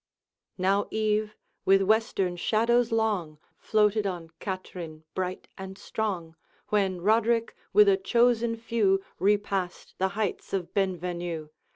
Now eve, with western shadows long, Floated on Katrine bright and strong, When Roderick with a chosen few Repassed the heights of Benvenue.